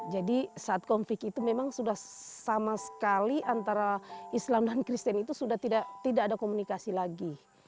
jadi saat konflik itu memang sudah sama sekali antara islam dan kristen itu sudah tidak ada komunikasi lagi